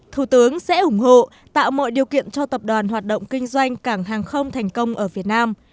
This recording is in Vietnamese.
thủ tướng sẽ ủng hộ tạo mọi điều kiện cho tập đoàn hoạt động kinh doanh cảng hàng không thành công ở việt nam